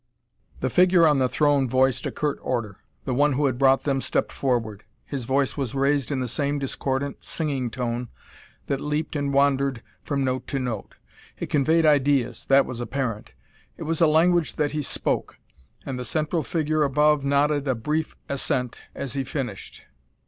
The figure on the throne voiced a curt order; the one who had brought them stepped forward. His voice was raised in the same discordant, singing tone that leaped and wandered from note to note. It conveyed ideas that was apparent; it was a language that he spoke. And the central figure above nodded a brief assent as he finished.